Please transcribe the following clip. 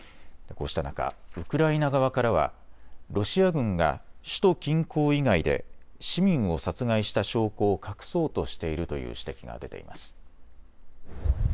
こうした中、ウクライナ側からはロシア軍が首都近郊以外で市民を殺害した証拠を隠そうとしているという指摘が出ています。